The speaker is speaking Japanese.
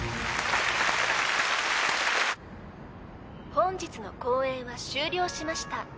本日の公演は終了しました。